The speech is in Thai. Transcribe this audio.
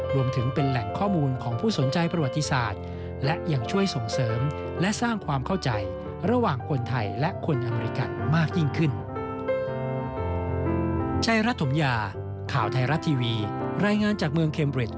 รวมถึงเป็นแหล่งข้อมูลของผู้สนใจประวัติศาสตร์และยังช่วยส่งเสริมและสร้างความเข้าใจระหว่างคนไทยและคนอเมริกันมากยิ่งขึ้น